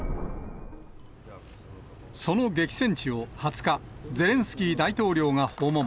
その激戦地を２０日、ゼレンスキー大統領が訪問。